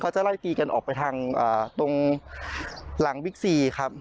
จะไล่ตีกันออกไปทางตรงหลังบิ๊กซีครับ